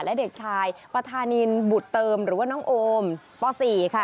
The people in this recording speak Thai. และเด็กชายประธานินบุตรเติมหรือว่าน้องโอมป๔ค่ะ